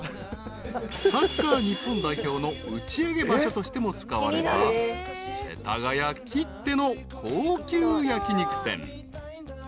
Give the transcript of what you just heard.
［サッカー日本代表の打ち上げ場所としても使われた世田谷きっての高級焼き肉店］